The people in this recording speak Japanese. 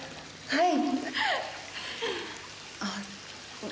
はい。